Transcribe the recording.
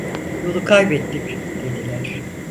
"Yolu kaybettik!" dediler.